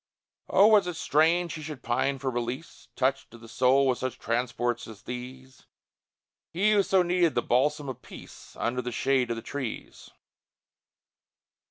Oh, was it strange he should pine for release, Touched to the soul with such transports as these, He who so needed the balsam of peace, Under the shade of the trees?